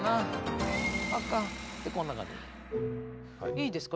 いいですか？